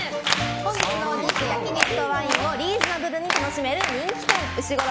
本日のお肉、焼き肉とワインをリーズナブルに楽しめる人気店うしごろ